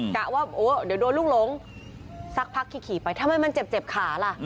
กะว่าโอ้เดี๋ยวโดนลูกหลงสักพักขี่ไปทำไมมันเจ็บขาล่ะ